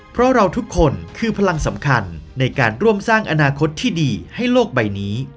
เพราะเราทุกคนคือพลังสำคัญในการร่วมสร้างอนาคตที่ดีให้โลกใบนี้